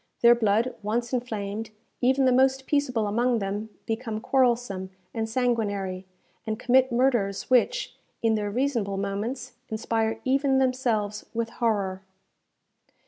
Their blood once inflamed, even the most peaceable among them become quarrelsome and sanguinary, and commit murders which, in their reasonable moments, inspire even themselves with horror.